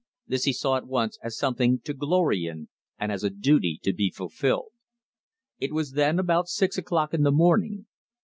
This he saw at once as something to glory in and as a duty to be fulfilled. It was then about six o'clock in the morning.